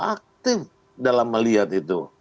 aktif dalam melihat itu